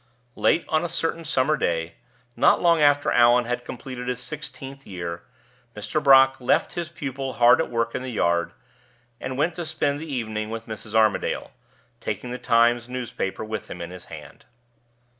Late on a certain summer day, not long after Allan had completed his sixteenth year, Mr. Brock left his pupil hard at work in the yard, and went to spend the evening with Mrs. Armadale, taking the Times newspaper with him in his hand.